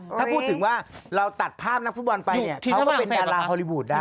ถ้าพูดถึงว่าเราตัดภาพนักฟุตบอลไปเนี่ยเขาก็เป็นดาราฮอลลีวูดได้